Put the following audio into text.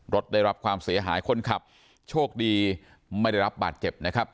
รถได้รับความเสียหายคนขับโชคดีไม่ได้รับบาดเจ็บนะครับ